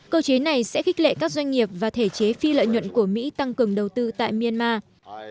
cơ chế này sẽ khích lệ các doanh nghiệp và thể chế phi lợi nhuận của mỹ tăng cường đầu tư tại myanmar